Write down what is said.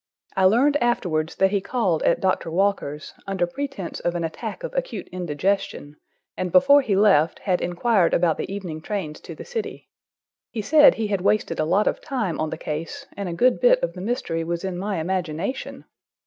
I learned afterwards that he called at Doctor Walker's, under pretense of an attack of acute indigestion, and before he left, had inquired about the evening trains to the city. He said he had wasted a lot of time on the case, and a good bit of the mystery was in my imagination!